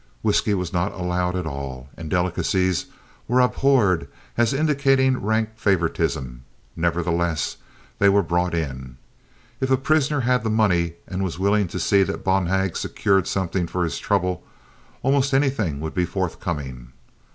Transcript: Whisky was not allowed at all, and delicacies were abhorred as indicating rank favoritism; nevertheless, they were brought in. If a prisoner had the money and was willing to see that Bonhag secured something for his trouble, almost anything would be forthcoming.